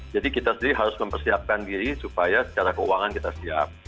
jadi kita sendiri harus mempersiapkan diri supaya secara keuangan kita siap